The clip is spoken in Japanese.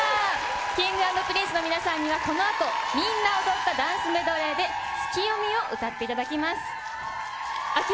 Ｋｉｎｇ＆Ｐｒｉｎｃｅの皆さんにはこのあと、みんな踊ったダンスメドレーで、ツキヨミを歌っていただきます。